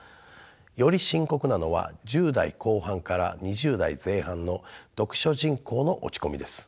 より深刻なのは１０代後半から２０代前半の読書人口の落ち込みです。